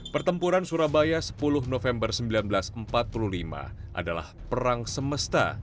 pertempuran surabaya sepuluh november seribu sembilan ratus empat puluh lima adalah perang semesta